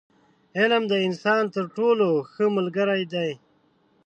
• علم، د انسان تر ټولو ښه ملګری دی.